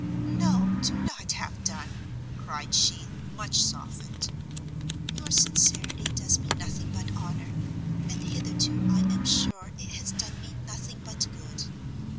"No, do not have done," cried she, much softened; "your sincerity does me nothing but honour, and hitherto, I am sure, it has done me nothing but good.